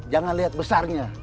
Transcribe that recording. jangan liat besarnya